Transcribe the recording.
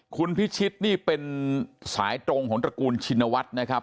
คุณพิชิตนี่เป็นสายตรงของตระกูลชินวัฒน์นะครับ